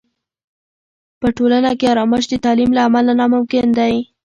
په ټولنه کې آرامش د تعلیم له امله ممکن دی.